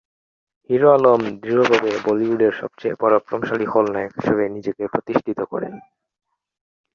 তারপর তিনি দৃঢ়ভাবে বলিউডের সবচেয়ে পরাক্রমশালী খলনায়ক হিসাবে নিজেকে প্রতিষ্ঠিত করেন এবং এই প্রবণতা পরবর্তী দুই দশক ধরে টিকে ছিল।